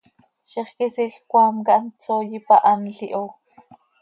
Zixquisiil cmaam quih hant csooi ipahanl iho.